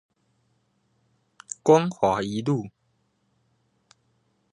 光華一路